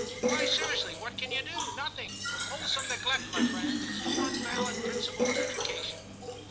* Why, seriously, what can you do ? Nothing. Wholesome neglect, my friend, is the one valid principle of education.'